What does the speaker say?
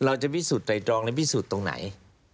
พิสูจน์ไตรตรองและพิสูจน์ตรงไหน